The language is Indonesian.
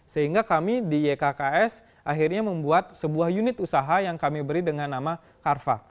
sehingga kami di ykks akhirnya membuat sebuah unit usaha yang kami beri dengan nama carva